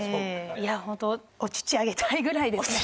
いやホントお乳あげたいぐらいですね。